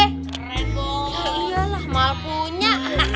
ya iyalah mahal punya